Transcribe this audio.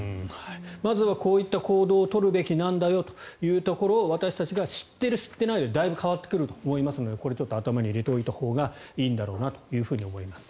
まずは、こういった行動を取るべきなんだよというところを私たちが知っている、知っていないでだいぶ変わってくると思いますので頭に入れておいたほうがいいんだろうなと思います。